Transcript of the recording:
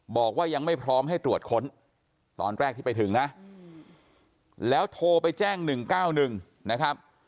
บอกว่ายังไม่พร้อมให้ตรวจค้นตอนแรกที่ไปถึงนะแล้วโทรไปแจ้ง๑๙๑นะครับ